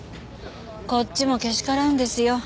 こっちもけしからんですよ。